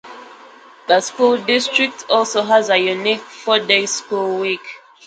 The school district also has a unique four-day school week.